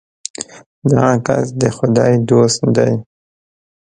دغه کس د خدای دوست دی.